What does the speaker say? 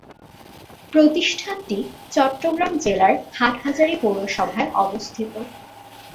প্রতিষ্ঠানটি চট্টগ্রাম জেলার হাটহাজারী পৌরসভায় অবস্থিত।